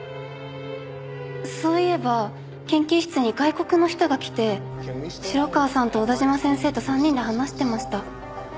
そういえば研究室に外国の人が来て城川さんと小田嶋先生と３人で話してました。